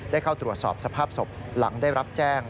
เข้าตรวจสอบสภาพศพหลังได้รับแจ้ง